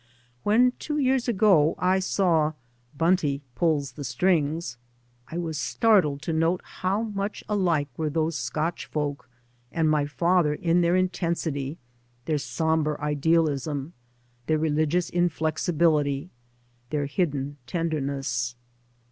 When two years ago I saw " Bunty Pulls the Strings," I was starded to note how much alike were those Scotch folk and my father in their intensity, their sombre idealism, their religious inflexibility, their hidden tenderness.